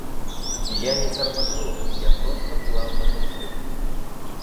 Я не торможу — я просто плавно мыслю.